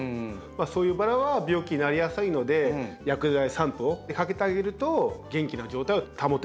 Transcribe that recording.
そういうバラは病気になりやすいので薬剤散布をかけてあげると元気な状態を保てるということですね。